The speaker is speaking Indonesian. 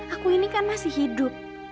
aku ini kan masih hidup